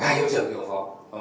hai hiệu trưởng hiệu phó